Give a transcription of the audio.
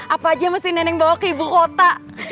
apa aja mesti neneng bawa ke ibu kota